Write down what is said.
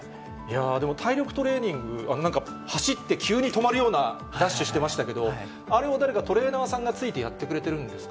でも体力トレーニング、なんか走って、急に止まるようなダッシュしてましたけど、あれは誰かトレーナーさんがついてやってくれてるんですか。